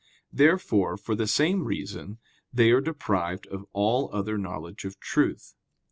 Therefore, for the same reason, they are deprived of all other knowledge of truth.